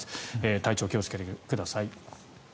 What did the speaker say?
体調気をつけてください。